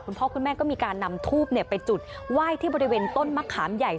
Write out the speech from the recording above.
พ่อคุณแม่ก็มีการนำทูบไปจุดไหว้ที่บริเวณต้นมะขามใหญ่